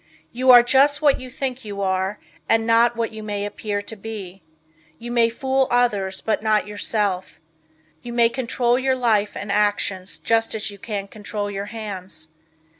You are just what you think you are and not what you may appear to be. You may fool others but not yourself. You may control your life and actions just as you can control your hands.